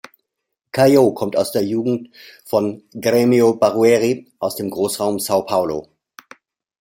Caio kommt aus der Jugend von Grêmio Barueri aus dem Großraum São Paulo.